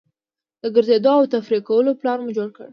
د ګرځېدو او تفریح کولو پلان مو جوړ کړ.